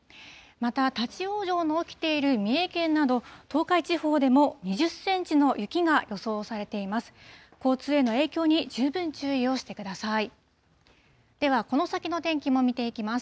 また、立往生の起きている三重県など、東海地方でも２０センチの雪が予想されています。